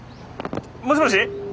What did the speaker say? もしもし？